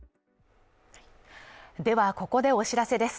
ではここでお知らせです。